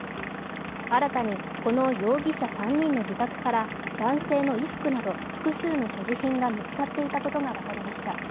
新たにこの容疑者３人の自宅から男性の衣服など複数の所持品が見つかっていたことが分かりました。